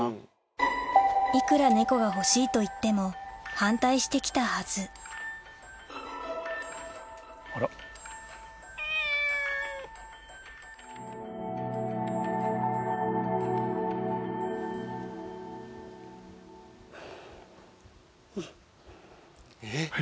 いくらネコが欲しいと言っても反対して来たはずうん。